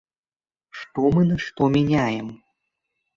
Што мы на што мяняем?